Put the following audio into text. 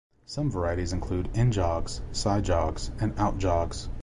Some varieties include 'in jogs', 'side jogs', and 'out jogs'.